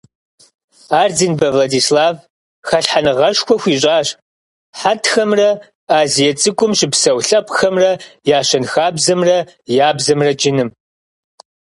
Ардзинбэ Владислав хэлъхьэныгъэшхуэ хуищӀащ хьэтхэмрэ Азие ЦӀыкӀум щыпсэу лъэпкъхэмрэ я щэнхабзэмрэ я бзэмрэ джыным.